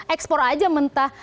ekspor aja mentah